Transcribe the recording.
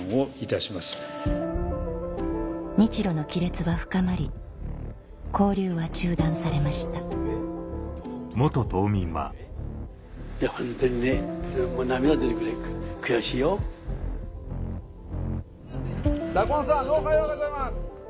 得能さんおはようございます！